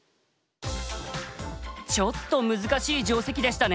ちょっと難しい定石でしたね。